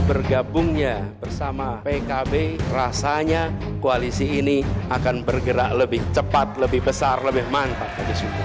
bergabungnya bersama pkb rasanya koalisi ini akan bergerak lebih cepat lebih besar lebih mantap